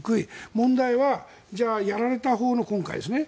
問題は、じゃあやられたほうの今回ですね。